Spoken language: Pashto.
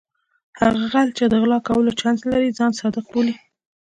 هغه غل چې د غلا کولو چانس نه لري ځان صادق بولي.